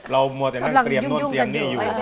เรามวตเองกันเตรียมนู่นเตรียมนี่อยู่